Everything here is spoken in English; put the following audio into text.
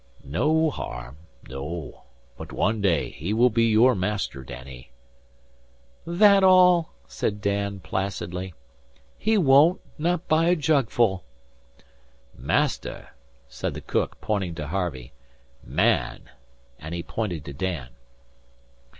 "No harm. No. But one day he will be your master, Danny." "That all?" said Dan, placidly. "He wun't not by a jugful." "Master!" said the cook, pointing to Harvey. "Man!" and he pointed to Dan.